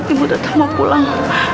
ibu tetap mau pulang